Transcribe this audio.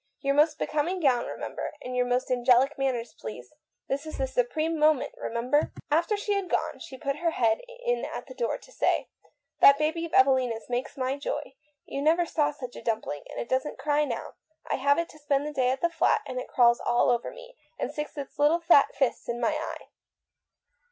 Your most becoming gown, and your most angelic manners, please. Cest le moment supreme, remember." After she had gone, she put her head in at the door to say : "That baby of Evelina's makes my joy. You never saw such a dumpling, and it never cries now. I have it to spend the day at the flat, and it crawls all over me, and sticks its fat little fists in my eye."